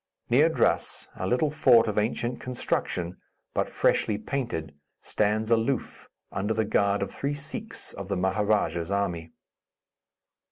Near Drass, a little fort of ancient construction, but freshly painted, stands aloof, under the guard of three Sikhs of the Maharadja's army.